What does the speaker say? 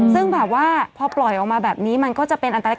ซึ่งแบบว่าพอปล่อยออกมาแบบนี้มันก็จะเป็นอันตราย